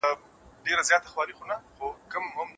ډسپلین باور رامنځته کوي.